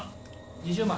２０万。